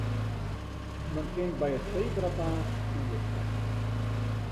Men kin by it sebrapaad oerstekke.